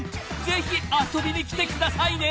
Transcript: ぜひ遊びに来てくださいね！］